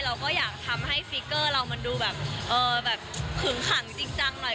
เราก็อยากทำให้ฟิกเกอร์เรามันดูแบบขึงขังจริงจังหน่อย